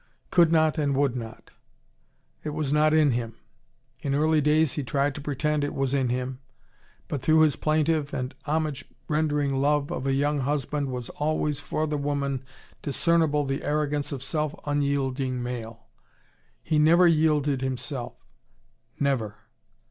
Could not and would not. It was not in him. In early days, he tried to pretend it was in him. But through his plaintive and homage rendering love of a young husband was always, for the woman, discernible the arrogance of self unyielding male. He never yielded himself: never.